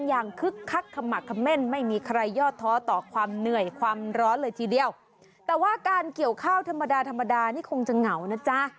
คึกคักขมักเม่นไม่มีใครยอดท้อต่อความเหนื่อยความร้อนเลยทีเดียวแต่ว่าการเกี่ยวข้าวธรรมดาธรรมดานี่คงจะเหงานะ